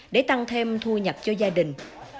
để tăng thêm thu nhập cho gia đình